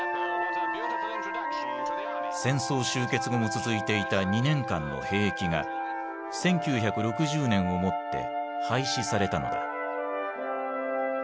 戦争終結後も続いていた２年間の兵役が１９６０年をもって廃止されたのだ。